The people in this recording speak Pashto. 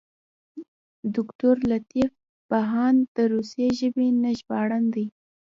دوکتور لطیف بهاند د روسي ژبې نه ژباړن دی.